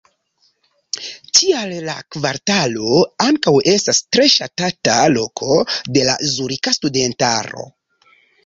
Tial la kvartalo ankaŭ estas tre ŝatata loko de la zurika studentaro.